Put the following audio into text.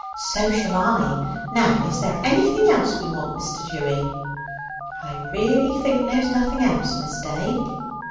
"So shall I. Now is there anything else we want, Mr Dewy?" "I really think there's nothing else, Miss Day."